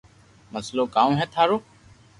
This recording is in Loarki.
مسلو ڪاو ھي ٿارو